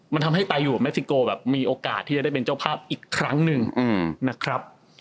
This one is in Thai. มันทำให้ตายอยู่กับเม็กซิโกแบบมีโอกาสที่จะได้เป็นเจ้าภาพอีกครั้งหนึ่งนะครับ